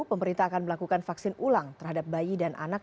pemerintah akan melakukan vaksin ulang terhadap bayi dan anak